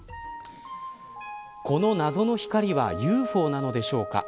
この謎の光はＵＦＯなのでしょうか。